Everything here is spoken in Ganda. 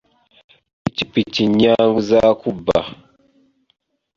Piki piki nnyangu za kubba.